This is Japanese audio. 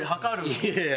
いやいや。